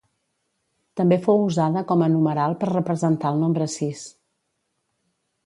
També fou usada com a numeral per representar el nombre sis.